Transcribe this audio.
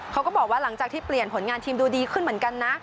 เขาก็บอกว่าหลังจากที่เปลี่ยนผลงานทีมดูดีขึ้นเหมือนกันนะ